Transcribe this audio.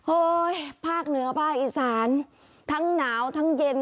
ภาคเหนือภาคอีสานทั้งหนาวทั้งเย็น